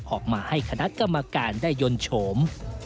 ออกมาให้คณะกรรมการได้ยนต์โฉม